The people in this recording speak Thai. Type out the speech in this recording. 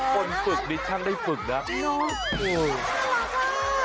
คนฝึกนี้ช่างได้ฝึกนะน้อง